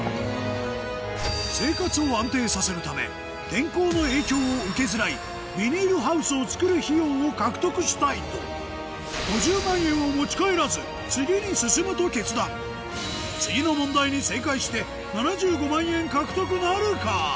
天候の影響を受けづらいビニールハウスを造る費用を獲得したいと５０万円を持ち帰らず次に進むと決断次の問題に正解して７５万円獲得なるか？